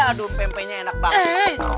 aduh mpe mpe nya enak banget